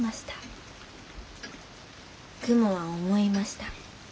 雲は思いました。